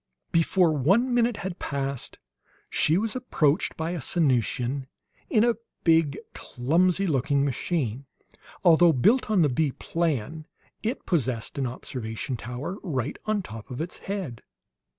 Before one minute had passed she was approached by a Sanusian in a big, clumsy looking machine. Although built on the bee plan, it possessed an observation tower right on top of its "head."